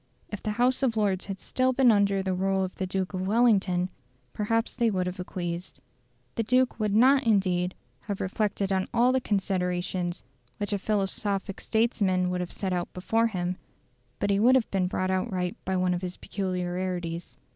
If the House of Lords had still been under the rule of the Duke of Wellington, perhaps they would have acquiesced. The Duke would not indeed have reflected on all the considerations which a philosophic statesman would have set out before him; but he would have been brought right by one of his peculiarities.